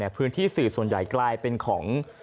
พื้นที่สื่อส่วนใหญ่กลายเป็นของ